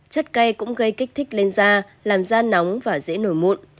chất cay cũng gây kích thích lên da làm da nóng và dễ nổi mụn